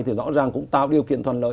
thì rõ ràng cũng tạo điều kiện toàn lợi